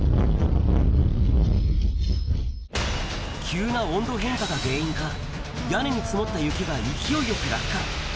急な温度変化が原因か、屋根に積もった雪が勢いよく落下。